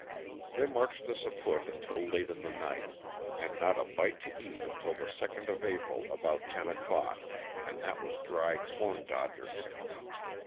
They marched us afoot until late in the night, and not a bite to eat until on the 2nd of April, about 10 o'clock, and that was dry corn dodgers.